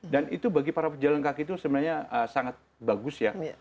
dan itu bagi para pejalan kaki itu sebenarnya sangat bagus ya